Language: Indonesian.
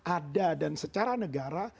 ada dan secara negara